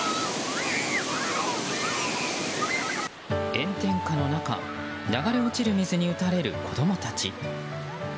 炎天下の中流れ落ちる水に打たれる子供たち。